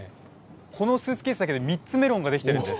このスーツケースだけで３つメロンが出来ているんです。